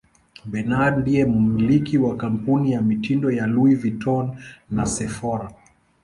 Bernard ndiye mmiliki wa kampuni ya mitindo ya Louis Vuitton na Sephora